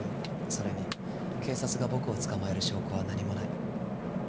それに警察が僕を捕まえる証拠は何もない。